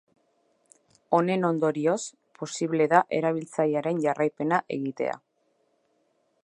Honen ondorioz posible da erabiltzailearen jarraipena egitea.